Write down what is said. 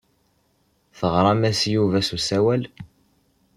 Teɣram-as i Yuba s usawal.